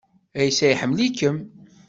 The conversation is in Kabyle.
Ɛisa iḥemmel-ikem.